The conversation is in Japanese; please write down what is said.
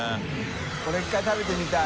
これ１回食べてみたい。